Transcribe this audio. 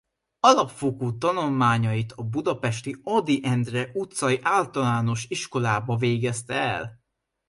Alapfokú tanulmányait a budapesti Ady Endre utcai Általános Iskolában végezte el.